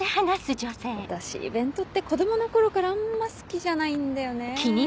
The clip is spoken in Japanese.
私イベントって子供の頃からあんま好きじゃないんだよね。